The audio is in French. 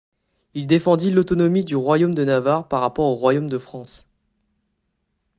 Il défendît l’autonomie du Royaume de Navarre par rapport au Royaume de France.